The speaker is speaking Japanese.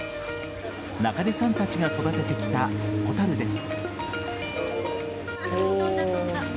中出さんたちが育ててきたホタルです。